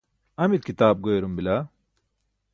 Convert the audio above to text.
amit kitaap goyarum bila?